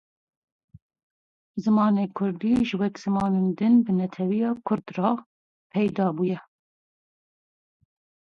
Ez naxwazim bi te re biçim firavînê.